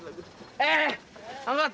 eh eh eh angkat